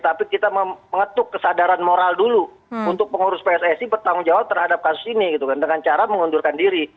tapi kita mengetuk kesadaran moral dulu untuk pengurus pssi bertanggung jawab terhadap kasus ini gitu kan dengan cara mengundurkan diri